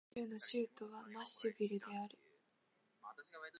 テネシー州の州都はナッシュビルである